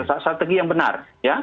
strategi yang benar